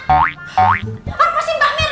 apa sih mbak mir